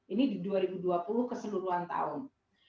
ini di dua ribu dua puluh keseluruhan tahun